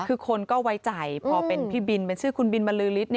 คือคนก็ไว้ใจพอเป็นพี่บินเป็นชื่อคุณบินบรรลือฤทธิ